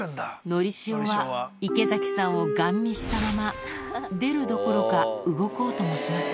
のりしおは池崎さんをガン見したまま出るどころか動こうともしません